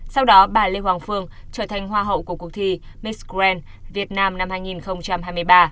sau đó bà lê hoàng phương trở thành hoa hậu của cuộc thi miscran việt nam năm hai nghìn hai mươi ba